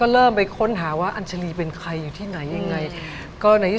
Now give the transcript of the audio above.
เริ่มไปค้นหาว่าอัญชาลีเป็นใครอยู่ที่ไหนยังไง